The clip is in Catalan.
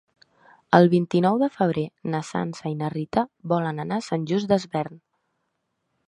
El vint-i-nou de febrer na Sança i na Rita volen anar a Sant Just Desvern.